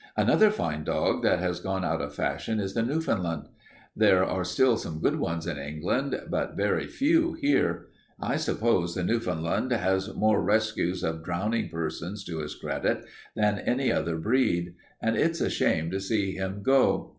"Another fine dog that has gone out of fashion is the Newfoundland. There are still some good ones in England, but very few here. I suppose the Newfoundland has more rescues of drowning persons to his credit than any other breed, and it's a shame to see him go.